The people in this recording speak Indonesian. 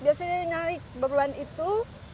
biasanya nyari beban itu